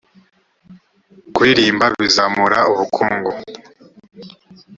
kuririmba bizamura ubukungu.